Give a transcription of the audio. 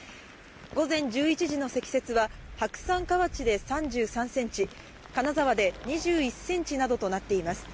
午前１１時の積雪は白山河内で３３センチ、金沢で２１センチなどとなっています。